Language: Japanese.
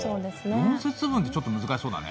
論説文ってちょっと難しそうだね。